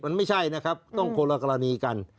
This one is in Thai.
มันไม่ใช่นะครับต้องคนละกรณีกัน